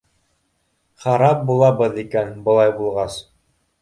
Харап булабыҙ икән, былай булғас!